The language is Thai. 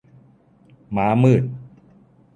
ม้ามืด